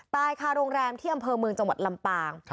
ตายค่ะโรงแรมที่อำเภอเมืองจังหวัดลำปาง